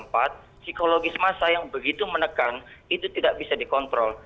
tetapi setelah lewat dari jam empat psikologis massa yang begitu menekan itu tidak bisa dikawal